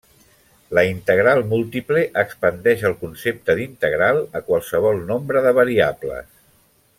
La integral múltiple expandeix el concepte d'integral a qualsevol nombre de variables.